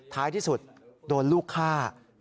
ท้ายที่สุดโดนลูกฆ่า